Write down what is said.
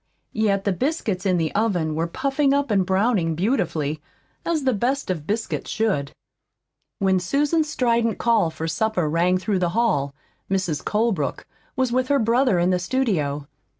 Yet the biscuits in the oven were puffing up and browning beautifully, as the best of biscuits should. When Susan's strident call for supper rang through the hall, Mrs. Colebrook was with her brother in the studio.